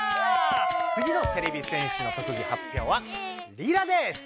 つぎのてれび戦士の特技発表はリラです！